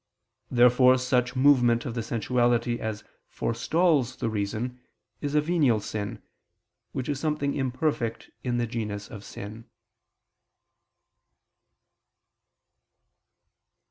Therefore such movement of the sensuality as forestalls the reason, is a venial sin, which is something imperfect in the genus of sin.